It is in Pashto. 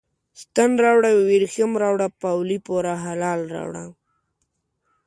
ستن راوړه، وریښم راوړه، پاولي پوره هلال راوړه